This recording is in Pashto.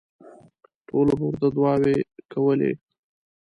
ټولو به ورته دوعاوې کولې.